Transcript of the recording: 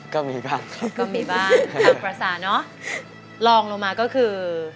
ก็มีบ้างครับก็มีบ้างตามภาษาเนอะลองลงมาก็คือ